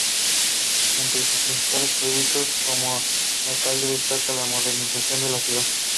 Entre sus principales proyectos como alcalde destaca la modernización de la ciudad.